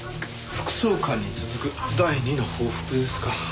副総監に続く第二の報復ですか？